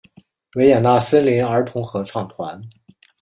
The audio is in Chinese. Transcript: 维也纳森林儿童合唱团。